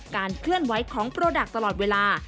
เคลื่อนไหวของโปรดักต์ตลอดเวลา